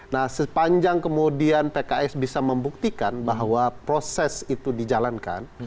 nah sepanjang kemudian pks bisa membuktikan bahwa proses itu dijalankan